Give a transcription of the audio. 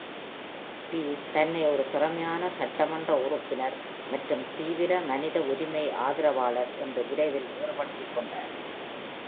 Piece தன்னை ஒரு திறமையான சட்டமன்ற உறுப்பினர் மற்றும் தீவிர மனித உரிமை ஆதரவாளர் என்று விரைவில் வேறுபடுத்திக் கொண்டார்.